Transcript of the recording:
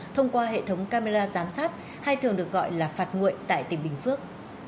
thông qua hệ thống camera giám sát hay thường được gọi là phạt nguội tại tỉnh bình phước